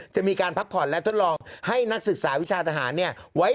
จะมีการพักผ่อนและทดลองให้นักศึกษาวิชาทหาร